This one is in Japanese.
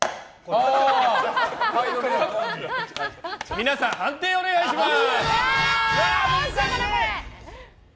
皆さん、判定をお願いします。